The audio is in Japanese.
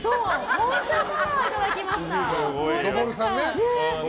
本当にパワーをいただきました。